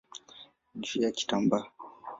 juu ya kitambaa.